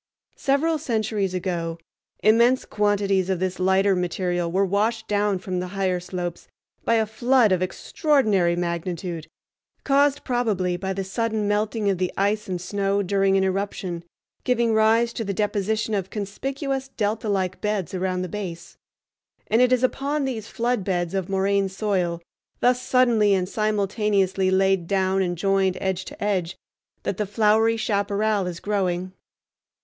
Several centuries ago immense quantities of this lighter material were washed down from the higher slopes by a flood of extraordinary magnitude, caused probably by the sudden melting of the ice and snow during an eruption, giving rise to the deposition of conspicuous delta like beds around the base. And it is upon these flood beds of moraine soil, thus suddenly and simultaneously laid down and joined edge to edge, that the flowery chaparral is growing.